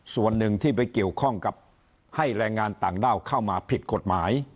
ส่วนหนึ่งที่ไปเกี่ยวข้องกับให้แรงงานต่างด้าวเข้ามาผิดกฎหมาย